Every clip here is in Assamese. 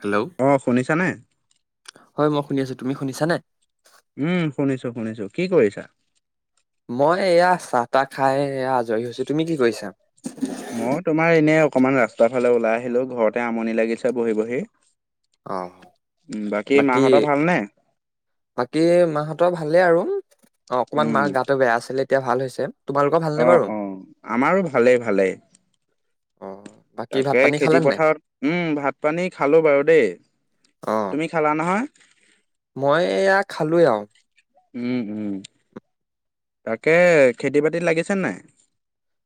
হেল্ল' অঁ শুনিছানে হয় মই শুনি আছো তুমি শুনিছা নে উম শুনিছো শুনিছো কি কৰিছা মই এয়া চাহ তাহ খাই এয়া আজৰি হৈছো তুমি কি কৰিছা মই তোমাৰ এনেই অকমান ৰাস্তাৰ ফালে ওলাই আহিলো ঘৰতে আমনি লাগিছে বহি বহি, অ', বাকী মাহঁতৰ ভালনে? বাকী মাঁহতৰ ভালেই আৰু অ অকমান উম মাঁ গাটো বেয়া আছিলে এতিয়া ভাল হৈছে। তোমালোকৰ ভালনে অ বাৰু? অ আমাৰো ভালেই ভালেই, অ বাকী ভাত তাকে পানী খালে খেতি নাই? পথাৰত, উম ভাত পানী খালো বাৰু দেই, অ তুমি খালা নহয়, মই এয়া খালোৱে আউ, উম উম, তাকে খেতি বাতিত লাগিছে নাই?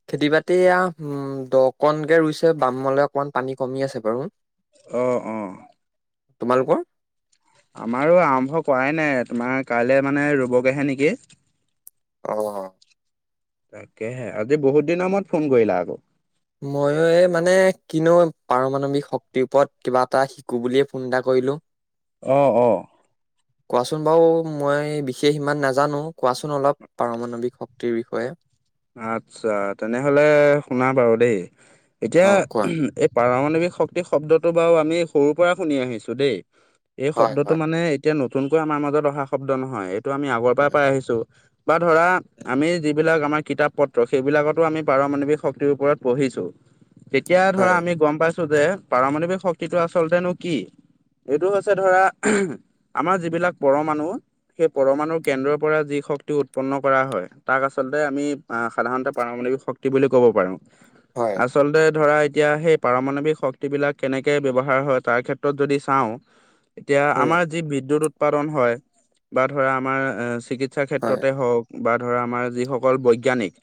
খেতি বাতি এয়া উম দকনকে ৰুইছে বাম অলে অকমান পানী কমি আছে বাৰু, অঁ অ তোমালোকৰ, আমাৰো আৰম্ভ কৰাই নাই তোমাৰ কাইলৈ মানে ৰুবগৈহে নেকি, অ তাকেহে, আজি বহুত দিনৰ মোৰত ফোন কৰিলা আক, ময়ো এ মানে কিনো পাৰমানৱিক শক্তিৰ ওপৰত কিবা এটা শিকো বুলিয়ে ফোন এটা কৰিলো। [inaudible] অঁ অঁ কোৱাচোন বাৰু মই বিশেষ ইমান নাজানো কোৱাচোন অলপ পাৰমাণৱিক শক্তিৰ বিষয়ে, আচ্ছা তেনেহলে শুনা বাৰু দেই এতিয়া অ কোৱা পাৰমাণৱিক শক্তি শব্দটো বাৰু আমি সৰুৰ পৰা শুনি আহিছো দেই, এই হয় শব্দটো হয় মানে এতিয়া নতুনকৈ আমাৰ মাজত অহা শব্দ নহয় এইটো আমি আগৰ পৰাই পাই আহিছো। বা ধৰা আমি যিবিলাক আমাৰ, কিতাপ পত্ৰ সেইবিলাকতো আমি পাৰমাণৱিক শক্তিৰ ওপৰত পঢ়িছো। তেতিয়া ধৰা হয় আমি গম পাইছো, যে পাৰমণৱিক শক্তিটো আচলতেনো কি এইটো হৈছে ধৰা, আমাৰ যিবিলাক পৰমানুৰ, সেই পৰমানুৰ কেন্দ্ৰৰ পৰা যি শক্তি উৎপন্ন কৰা হয় তাক আচলতে আমি, অ সাধাৰণতে পাৰমণৱিক শক্তি বুলি ক'ব পাৰো। হয় আচ আচলতে ধৰা এতিয়া সেই পাৰমাণৱিক শক্তিবিলাক কেনেকে ব্যৱহাৰ হয় তাৰ ক্ষেত্ৰত যদি চাওঁ, [inaudible] এতিয়া আমাৰ যি বিদ্যুৎ উৎপাদন হয় বা ধৰা আমাৰ চিকিৎ চিকিৎসাৰ হয় ক্ষেত্ৰতে হওঁক বা ধৰা আমাৰ যিসকল বৈজ্ঞানিক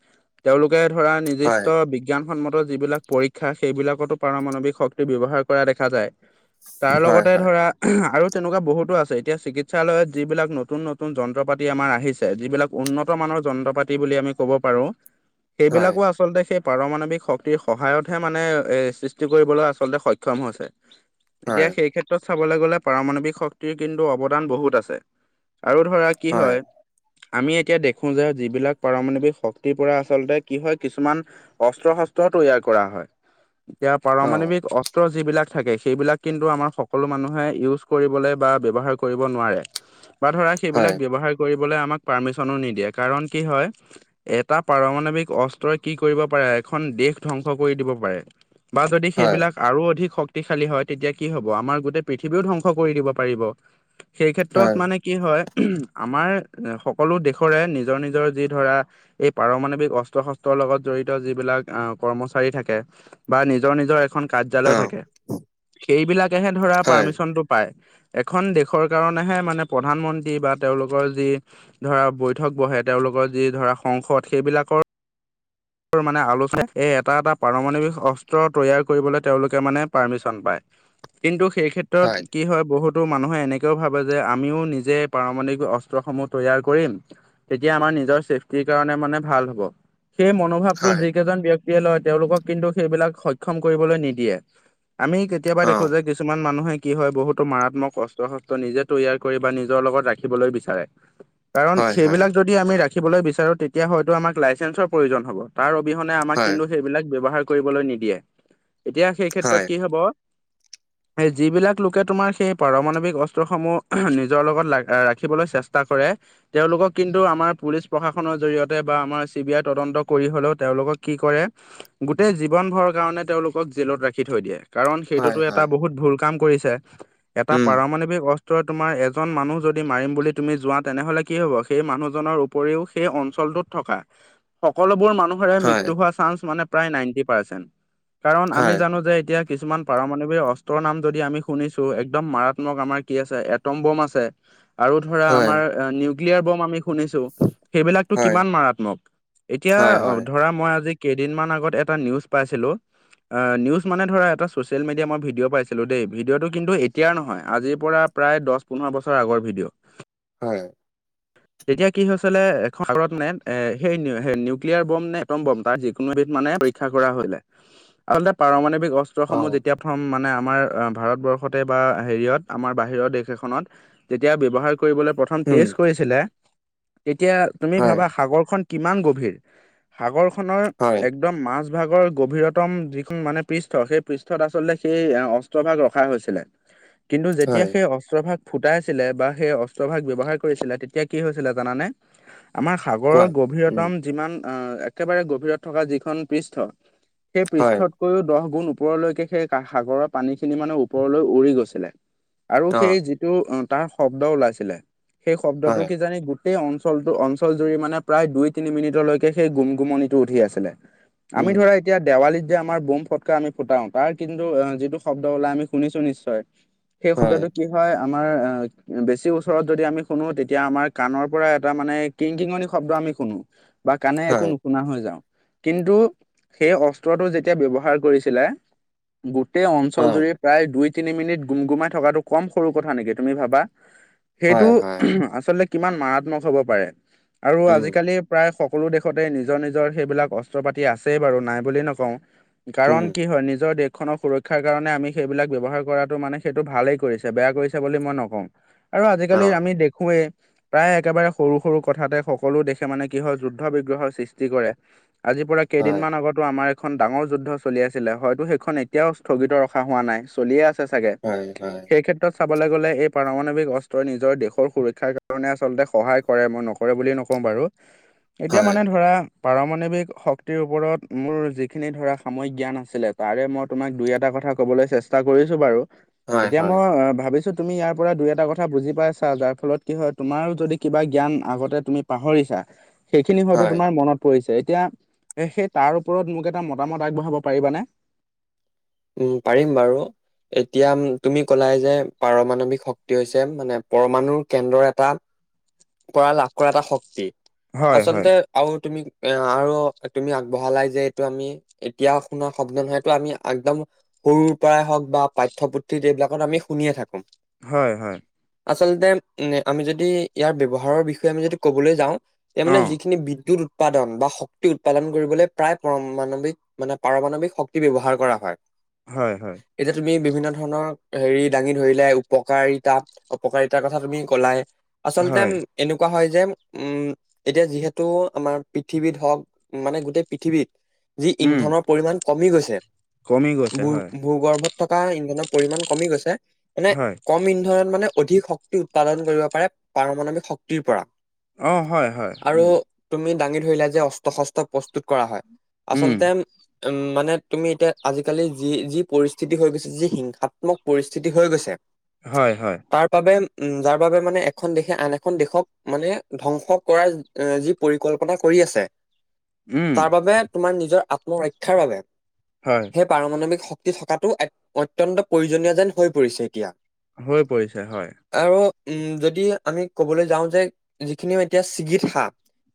তেওঁলোকে ধৰা হয় নিৰ্দিষ্ট বিক বিজ্ঞানসন্মত যিবিলাক পৰীক্ষা সেইবিলাকতো পাৰমাণৱিক শক্তি ব্যৱহাৰ কৰা দেখা যায়। তাৰ হয় লগতে হয় ধৰা, আৰু তেনেকুৱা বহুতো আছে এতিয়া চিকিৎসালয়ত যিবিলাক নতুন নতুন যন্ত্ৰ পাতি আমাৰ আহিছে যিবিলাক, উন্নত মানৰ যন্ত্ৰ পাতি বুলি আমি ক'ব পাৰো হয় সেইবিলাকো আচ আচলতে সেই পাৰমাণৱিক শক্তিৰ সহায়তহে মানে এ সৃষ্টি কৰিবলৈ আচলতে সক্ষম হৈছে। [inaudible] এতিয়া সেই ক্ষেত্ৰত চাবলৈ গলে পাৰমাণৱিক শক্তিৰ কিন্তু অৱদান বহুত আছে, আৰু ধৰা কি হয় আমি এতিয়া দেখো যে যিবিলাক পাৰমাৱিক, শক্তিৰ পৰা আচলতে কি হয় কিছুমান অস্ত্ৰ শস্ত্ৰ তৈয়াৰ কৰা হয়। এতিয়া অ পাৰমাণৱিক অচ অস্ত্ৰ যিবিলাক থাকে সেইবিলাক কিন্তু আমাৰ সকলো মানুহে ইউজ কৰিবলৈ বা ব্যৱহাৰ কৰিব নোৱাৰে। [unintelligible] বা ধৰা হয় সেইবিলাক ব্যৱহাৰ কৰিবলৈ আমাক পাৰ্মিচনো নিদিয়ে কাৰণ কি হয়, এটা পাৰমাণৱিক অস্ত্ৰই কি কৰিব পাৰে এখন দেশ ধ্বংস কৰি দিব পাৰে। বা যদি হয় সেইবিলাক- আৰু অধিক শক্তিশালী হয় তেতিয়া কি হ'ব, আমাৰ গোটেই পৃথিৱীও ধ্বংস কৰি দিব পাৰিব। সেই ক্ষেত্ৰত হয় মানে কি হয়, আমাৰ সকলো দেশৰে নিজৰ নিজৰ যি ধৰা- এই পাৰমাণৱিক অস্ত্ৰ শস্ত্ৰৰ লগত জড়িত যিবিলাক কৰ্মচাৰী থাকে- বা নিজৰ নিজৰ এখন অ কাৰ্যালয় থাকে। সেইবিলাকেহে ধৰা হয় পাৰ্মিশনটো পায়। এখন দেশৰ কাৰণেহে মানে প্ৰধানমন্ত্ৰী বা তেওঁলোকৰ যি- ধৰা বৈঠক বহে তেওঁলোকৰ যি ধৰা সংসদ সেইবিলাকৰ- মানে আলোচনা এই এটা এটা পাৰমাণৱিক অস্ত্ৰ তৈয়াৰ কৰিবলৈ তেওঁলোকে মানে পাৰ্মিশন পায়। কিন্তু সেই ক্ষেত্ৰত- কি হয় বহুতো মানুহে এনেকৈও ভাবে যে আমিও নিজে পাৰমাণিক অস্ত্ৰসমূহ তৈয়াৰ কৰিম। তেতিয়া আমাৰ নিজৰ চেফটিৰ কাৰণে মানে ভাল হ'ব, সেই মনোভাৱটো হয় যি কেইজন ব্যক্তিয়ে লয় তেওঁলোকক কিন্তু সেইবিলাক সক্ষম কৰিবলৈ নিদিয়ে। আমি অ কেতিয়াবা দেখো যে- কিছুমান মানুহে কি হয় বহুতো মাৰাত্মক অস্ত্ৰ-শস্ত্ৰ নিজে তৈয়াৰ কৰে বা নিজৰ লগত ৰাখিবলৈ বিচাৰে। [unintelligible] কাৰণ হয় সেইবিলাক যদি আমি ৰাখিবলৈ বিচাৰো তেতিয়া হয়তো আমাক লাইেন্ৰ প্ৰয়োজন হ'ব। তাৰ অবিহনে আমাক কিন্তু সেইবিলাক ব্যৱহাৰ কৰিবলৈ নিদিয়ে। এতিয়া সেই হয় হয় ক্ষেত্ৰত কি হ'ব- [unintelligible] সেই যিবিলাক লোকে তোমাৰ সেই পাৰমাৱিক অস্ত্ৰসমূহ নিজৰ লগত ৰাখিবলৈ চেষ্টা কৰে- তেওঁলোকক কিন্তু আমাৰ পুলিচ প্ৰশাসনৰ জৰি়য়তে বা আমাৰ চি বি আই তদন্ত কৰি হ'লেও তেওঁলোকক কি কৰে- গোটেই জীৱন ভৰৰ কাৰণে তেওঁলোকক জেলত ৰাখি থৈ দিয়ে। কাৰণ হয় সেইটোতো এটা হয় বহুত ভুল কাম কৰিছে। এটা উম পাৰমাণৱিক অস্ত্ৰ তোমাৰ এজন মানুহ যদি মাৰিম বুলি তুমি যোৱা তেনেহ'লে কি হ'ব সেই মানুহজনৰ উপৰিও সেই অঞ্চলটোত- থকা- সকলোবোৰ মানুহৰে হয় মৃত্য হোৱা চান্স মানে প্ৰায় নাইনটি পাৰ্চেন। কাৰণ আমি হয় জানো যে এতিয়া- কিছুমান পাৰমাণৱিক অস্ত্ৰৰ নাম যদি আমি শুনিছো একদম মাৰাত্মক আমাৰ কি আছে এটম বম আছে। আৰু ধৰা হয় আমাৰ নিউক্লিয়াৰ বম আমি শুনিছো, সেইবিলাকতো হয় কিমান মাৰাত্মক। এতিয়া হয় হয় ধৰা মই আজি কেইদিনমান আগত এটা নিউজ পাইছিলোঁ। নিউজ মানে ধৰা এটা ছ'চিয়েল মিডিয়া মই ভিডিঅ' পাইছিলোঁ দেই, ভিডিঅ'টো কিন্তু এতিয়াৰ নহয়, আজিৰ পৰা- প্ৰায় দহ পোন্ধৰ বছৰ আগৰ ভিডিঅ'। হয়। তেতিয়া কি হৈছিলে এ সাগৰত মানে সেই নিউক্লিয়াৰ বম নে এটম বম তাৰ যিকোনো এবিধ মানে- পৰীক্ষা কৰা হ'লে। আচলতে পাৰমাণৱিক অ অস্ত্ৰসমূহ যেতিয়া- প্ৰথম মানে আমাৰ ভাৰতবৰ্ষতে বা হেৰিয়ত, আমাৰ বাহিৰৰ দেশ এখনত- তেতিয়া ব্যৱহাৰ কৰিবলৈ- উম টেষ্ট কৰিছিলে, তেতিয়া তুমি হয় ভাবা সাগৰখন কিমান গভীৰ। সাগৰ খনৰ হয় এক একদম মাজভাগৰ গভীৰতম যিখন মানে পৃষ্ঠ, সেই পৃষ্ঠত আচলতে সেই অস্ত্ৰভাগ ৰখা হৈছিলে। [unintelligible] কিন্তু যেতিয়া হয় সেই অস্ত্ৰ ভাগ ফুটাইছিলে বা সেই অস্ত্ৰ ভাগ ব্যৱহাৰ- কৰিছিলে তেতিয়া কি হৈছিলে জানানে। আমাৰ সাগৰৰ কোৱা উম গভীৰতম যিমান- আহ' একেবাৰে গভীৰত থকা যিখন পৃষ্ঠ, সেই হয় পৃষ্ঠত কৈও দহ গুণ ওপৰলৈকে সেই সাগৰৰ পানী খিনি মানে ওপৰলৈ উৰি গৈছিলে। আৰু অ সেই যিটো তাৰ শব্দ ওলাইছিলে সেই শব্দটো হয় কি জানি গো গোটেই অঞ্চলটো অঞ্চল জুৰি মানে প্ৰায় দুই তিনি মিনিটলৈকে সেই গুম গুমনিটো উঠি আছিলে আমি উম ধৰা এতিয়া দেৱালীত আমাৰ বোম ফটকা আমি ফুটাও তাৰ কিন্তু যিটো শব্দ ওলাই আমি শুনিছো নিশ্চয় সেই শব্দটো কি হয় আমাৰ বেছি ওচৰত যদি আমি শুনো তেতিয়া আমাৰ কাণৰ পৰা এটা মানে কিংকিঙনি শব্দ আমি শুনো বা কানে একো নো শুনা হৈ যাওঁ কিন্তু সেই অস্ত্ৰটো যেতিয়া ব্যৱহাৰ কৰিছিলে গোটেই অঞ্চল জুৰি প্ৰায় দুই তিনি মিনিট গুম গুমাই থকাটো কম সৰু কথা নেকি তুমি ভাবা সেইটো আচলতে কিমান মাৰাত্মক হ'ব পাৰে আৰু আজিকালি প্ৰায় সকলো দেশতে নিজৰ নিজৰ সেইবিলাক অস্ত্ৰ পাতি আছেই বাৰু নাই বুলি নকওঁ কাৰণ কি হয় নিজৰ দেশখনৰ সুৰক্ষা শিক্ষাৰ কাৰণে আমি সেইবিলাক ব্যৱহাৰ কৰাটো মানে সেইটো ভালেই কৰিছে বেয়া কৰিছে বুলি মই নকওঁ আৰু আজিকালি আমি দেখোৱেই প্ৰায় একেবাৰে সৰু সৰু কথাতে সকলো দেশে মানে কি হয় যুদ্ধ বিগ্ৰহৰ সৃষ্টি কৰে আজিৰ পৰা কেইদিনমান আগতো আমাৰ খন ডাঙৰ যুদ্ধ চলি আছিলে হয়তো সেইখন এতিয়াও স্থগিত ৰখা হোৱা নাই চলিয়ে আ ছাগে সেই ক্ষেত্ৰত চাবলৈ গ'লে এই পাৰমাণৱিক অস্ত্ৰই নিজৰ দেশৰ সুৰক্ষাৰ কাৰণে আচলতে সহায় কৰে মই নকৰে বুলি নকওঁ বাৰু এতিয়া মানে ধৰা পাৰমাণৱিক শক্তিৰ ওপৰত মোৰ যিখিনি ধৰা সাময়িক জ্ঞান আছিলে তাৰে মত তোমাক দুই এটা কথা ক'বলৈ চেষ্টা কৰিছো বাৰু এতিয়া মই ভাবিছোঁ তুমি ইয়াৰ পৰা দুই এটা কথা বুজি পাইছা যাৰ ফলত কি হয় তোমাৰো যদি কিবা জ্ঞান আগতে তুমি পাহৰিছা সেইখিনি হয়তো তোমাৰ মনত পৰিছে এতিয়া সেই তাৰ ওপৰত মোক এটা মতামত আগবঢ়াব পাৰিবানে উম পাৰিম বাৰু এতিয়া তুমি ক'লাই যে পাৰমাণৱিক শক্তি হৈছে মানে পৰমাণুৰ কেন্দ্ৰৰ এটা পৰা লাভ কৰা এটা শক্তি হয় হয় আচলতে আৰু তুমি এ আৰু তুমি আগবঢ়ালাই যে এইটো আমি এতিয়া শুনাৰ শব্দ নহয়টো আমি একদম সৰুৰ পৰাই হওঁক বা পাঠ্যপুথিত এইবিলাকত আমি শুনিয়ে থাকো। হয় হয় আচলতে আমি যদি ইয়াৰ ব্যৱহাৰৰ বিষয়ে আমি যদি ক'বলৈ যাওঁ ইয়াৰ অ মানে যিখিনি বিদ্যুৎ উৎপাদন বা শক্তি উৎপাদন কৰিবলৈ প্ৰায় পৰমাণৱিক মানে পাৰমাণৱিক শক্তি ব্যৱহাৰ কৰা হয় হয় হয় হয় এতিয়া তুমি বিভিন্ন ধৰণৰ হেৰি দাঙি ধৰিলাই উপকাৰীতা অপকাৰিতাৰ কথা তুমি কলাই আচলতে হয় এনেকুৱা হয় যে উম এতিয়া যিহেতু আমাৰ পৃথিৱীত হওক মানে গোটেই পৃথিৱীত যি উম ইন্ধনৰ পৰিমাণ কমি গৈছে কমি গৈছে ভূ হয়, ভূগৰ্ভত থকা ইন্ধনৰ পৰিমাণ কমি গৈছে মানে হয়, কম ইন্ধনত মানে অধিক শক্তি উৎপাদন কৰিব পাৰে পাৰমানৱিক শক্তিৰ পৰা অ হয় হয় আৰু উম তুমি দাঙি ধৰিলা যে অস্ত্ৰ শস্ত্ৰ প্ৰস্তুত কৰা হয় উম, আচলতে উম মানে তুমি এতিয়া আজিকালি যি যি পৰিস্থিতি হৈ গৈছে যি হিংসাত্মক পৰিস্থিতি হৈ গৈছে হয় হয় তাৰ বাবে উম যাৰ বাবে মানে এখন দেশে আন এখন দেশক মানে ধ্বংস কৰাৰ এ' যি পৰিকল্পনা কৰি আছে উম, তাৰ বাবে তোমাৰ নিজৰ আত্মৰক্ষাৰ বাবে। হয়। সেই পাৰমানৱিক শক্তি থকাটো অত্যন্ত প্ৰয়োজনীয় যেন হৈ পৰিছে এতিয়া। হৈ পৰিছে হয়। আৰু উম যদি আমি ক'বলৈ যাওঁ যে যিখিনি এতিয়া চিগিত সা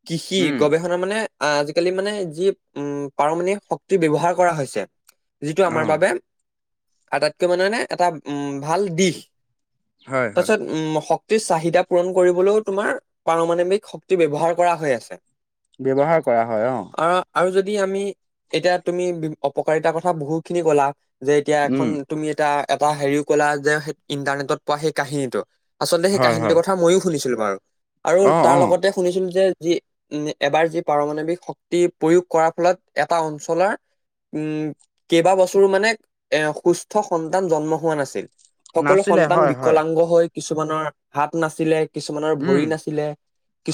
কৃষি উম, গৱেষণা মানে আজিকালি মানে যি উম পাৰমানৱিক শক্তি ব্যৱহাৰ কৰা হৈছে। যিটো আমাৰ অ', বাবে আটাইতকৈ মানে- মানে এটা উম ভাল দিশ হয়, হয়, তাৰপিছত উম। টো চাহিদা পূৰণ কৰিবলৈও তোমাৰ পাৰমাণৱিক শক্তি ব্যৱহাৰ কৰা হৈ আছে। ব্যৱহাৰ কৰা হয় অ'। অ' আৰু যদি আমি এতিয়া তুমি অপকাৰিতাৰ কথা বহুত খিনি কলা। যে এতিয়া এখন উম, তুমি এটা এটা হেৰিও কলা যে ইণ্টাৰনেটত পোৱা সেই কাহিনীটো। আচলতে সেই হয়, কাহিনীটোৰ হয়, কথা ময়ো শুনিছিলো বাৰু আৰু অ', তাৰ অ', লগতে শুনিছিলো যে যি উম এবাৰ যি পাৰমানৱিক শক্তি প্ৰয়োগ কৰাৰ ফলত এটা অঞ্চলৰ উম, কেইবাবছৰো মানে এ সুস্থ সন্তান জন্ম হোৱা নাছিল। সকলো নাছিলে সন্তান হয়, হয়, বিকলাংগ হৈ কিছুমানৰ হাত নাছিলে, কিছুমানৰ উম, ভৰি নাছিলে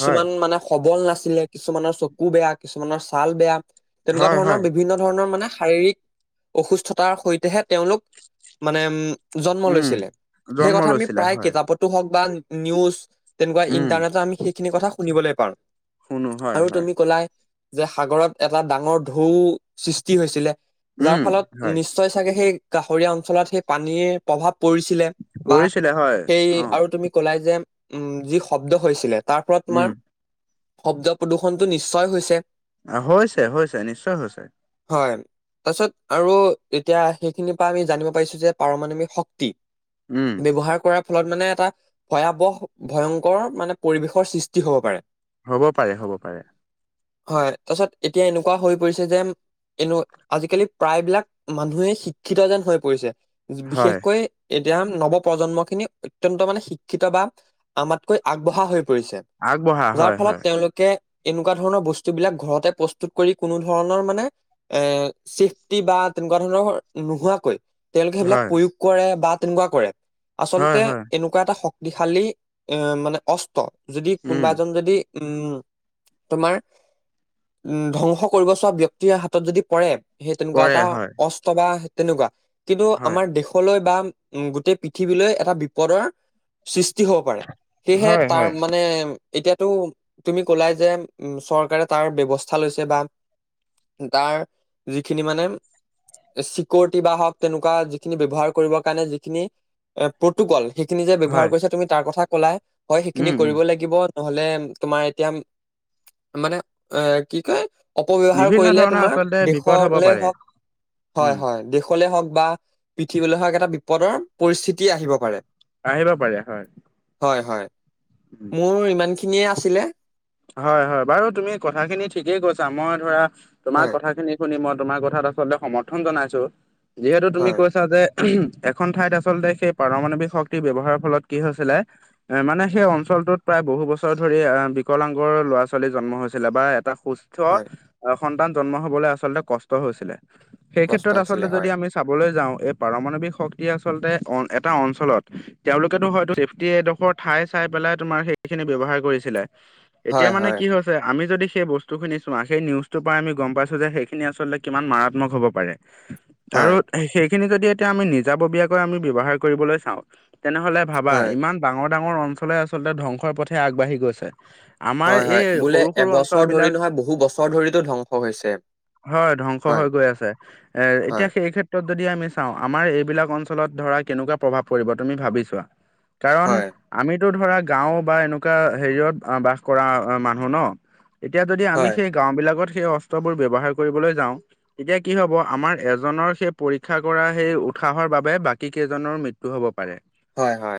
হয়, মানে সবল নাছিলে কিছুমানৰ চকু বেয়া, কিছুমানৰ ছাল বেয়া তেনেকুৱা হয়, ধৰণৰ হয়, বিভিন্ন ধৰণৰ মানে শাৰীৰিক অসুস্থতাৰ সৈতেহে তেওঁলোক মানে উম জন্ম উম, লৈছিলে, সেই জন্ম কথা আমি লৈছিলে প্ৰায় হয়, কিতাপত টো হওক বা নিউজ তেনেকুৱা উম, ইন্টাৰনেট আমি সেইখিন কথা শুনিবলৈ পাও। শুনো হয়, আৰু হয়, তুমি কলাই যে সাগৰত এটা ডাঙৰ ঢৌ সৃষ্টি হৈছিলে। যাৰ উম, ফলত হয়, নিশ্চয় চাগে সেই কাষৰীয়া অঞ্চলত সেই পানীৰ প্ৰভাৱ পৰিছিলে। বা কৰিছিলে হয়, সেই অ', আৰু তুমি কলাই যে উম যি শব্দ হৈছিলে তাৰ ফলত উম, তোমাৰ শব্দ প্ৰদূৰ্ষনটো নিশ্চয় হৈছে। অ' হৈছে হৈছে নিশ্চয় হৈছে। হয়। তাৰছত আৰু এতিয়া সেইখিনিৰ পৰা আমি জানিব পাৰিছো যে পাৰমাণৱিক শক্তি উম, ব্যৱহাৰ কৰা ফলত মানে এটা ভয়াৱহ ভয়ংকৰ মানে পৰিৱেশৰ সৃষ্টি হ'ব পাৰে। হ'ব পাৰে হ'ব পাৰে। হয়, তাৰছত এতিয়া এনেকুৱা হৈ পৰিছে যেন, এনেও আজিকালি প্ৰায়বিলাক মানুহে শিক্ষিত যেন হৈ পৰিছে। হয়, বিশেষকৈ এতিয়া নৱপ্ৰজন্ম খিনি অত্যন্ত মানে শিক্ষিত বা আমাতকৈ আগবঢ়া হৈ পৰিছে। আগবঢ়া যাৰ হয়, ফলত হয়, তেওঁলোকে এনেকুৱা ধৰণৰ বস্তুবিলাক ঘৰতে প্ৰস্তুত কৰি কোনো ধৰণৰ মানে এ' চেফটি বা তেনেকুৱা ধৰণৰ নোহোৱাকৈ তেওঁলোকে সেইবিলাক হয়, প্ৰয়োগ কৰে বা তেনেকুৱা কৰে হয়, আচলতে হয়, এনে এনেকোৱা এটা শক্তিশালী এ' মানে অস্ত্ৰ যদি উম, কোনোবা এজন যদি উম, তোমাৰ উম ধ্বংস কৰিব চোৱা ব্যক্তিৰে হাতত যদি পৰে সেই তেনেকুৱা পৰে এটা হয় অস্ত্ৰ বা তেনেকুৱা। কিন্তু আমাৰ দেশলৈ বা উম গোটেই পৃথিৱীলৈ এটা বিপদৰ সৃষ্টি হ'ব পাৰে সেয়েহে হয় তাৰ মানে এতিয়াতো তুমি কলাই যে উম চৰকাৰে তাৰ ব্যৱস্থা লৈছে বা তাৰ যিখিনি মানে ছিকউৰিটী বা হওক তেনেকোৱা যিখিনি ব্যৱহাৰ কৰিবৰ কাৰণে যিখিনি এ প্ৰটোকল সেইখিনি যে ব্যৱহাৰ হয় কৰিছা তুমি তাৰ কথা কলা হয় সেইখিনি উম উম কৰিব লাগিব নহলে তোমাৰ এতিয়া মানে এ কি কয় অপব্যৱহাৰ বিভিন্ন কৰিলে ধৰণৰ তোমাৰ আচলতে বিপদ হ'ব দেশলে পাৰে হওক হয় উম হয় দেশ কলে হওক বা পৃথিৱলৈ হওক এটা বিপদৰ পৰিস্থিতি আহিব পাৰে আহিব পাৰে হয় হয় হয় উম মোৰ ইমানখিনিয়ে আছিলে হয় হয় বাৰু তুমি কথাখিনি ঠিকেই কৈছা মই ধৰা তোমাৰ হয় কথাখিনি শুনি মই তোমাৰ কথাত আচলতে সমৰ্থন জনাইছো যিহেতু তুমি হয় কৈছা যে এখন ঠাইত আচলতে সেই পাৰমাণৱিক শক্তিৰ ব্যৱহাৰৰ ফলত কি হৈছিলে এ মানে সেই অঞ্চলটোত প্ৰায় বহু বছৰ ধৰি আ বি কলাংগৰ ল'ৰা ছোৱালী জন্ম হৈছিলে বা এটা সুস্থ হয় অ সন্তান জন্ম হবলৈ আচলতে কষ্ট হৈছিলে সেই কষ্ট ক্ষেত্ৰত আচলতে হৈছিলে যদি হয় আমি চাবলৈ যাও এই পাৰমাৱিক শক্তিয়ে আচলতে অ এটা অঞ্চলত তেওঁলোকেতো হয়তো চেফটি এডোখৰ ঠাই চাই পেলাই তোমাৰ সেইখিনি ব্যৱহাৰ কৰিছিলে এতিয়া হয় মানে হয় কি হ'ল আমি যদি সেই বস্তু খিনি চোৱা সেই নিউজটো পাই আমি গম পাইছো যে সেইখিনি আচলতে কিমান মাৰাত্মক হ'ব পাৰে [unintelligible] আৰু সেইখিনি যদি এতিয়া আমি নিজাববীয়াকৈ আমি ব্যৱহাৰ কৰিবলৈ চাও তেনেহলে ভাবা হয় ইমান ডাঙৰ ডাঙৰ অঞ্চলে আচলতে ধ্বংসৰ পথে আগবাঢ়ি গৈছে আমাৰ হয় এই হয় বোলে সৰু সৰু এবছৰ অঞ্চলবিলাক ধৰি নহয় বহু বছৰ ধৰিতো ধ্বংস হৈছে হয় ধ্বংস হয় হৈ গৈ আছে এ এতিয়া হয় সেই ক্ষে ত্ৰত যদি আমি চাও আমাৰ এইবিলাক অঞ্চলত ধৰা কেনেকোৱা প্ৰভাৱ পৰিব তুমি ভাবি চোৱা কাৰণ হয় আমিতো ধৰা গাও বা এনেকোৱা হেৰিয়ত অ বাস কৰা অ মানুহ ন এতিয়া যদি আমি হয় সেই গাও বিলাকত সেই অস্ত্ৰবোৰ ব্যৱহাৰ কৰিবলৈ যাও তেতিয়া কি হব আমাৰ এজনৰ সেই পৰীক্ষা কৰা সেই উৎসাহৰ বাবে বাকী কেইজনৰ মৃ টো হ'ব পাৰে হয় হয়